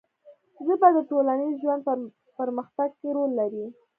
ژبه د ټولنیز ژوند په پرمختګ کې رول لري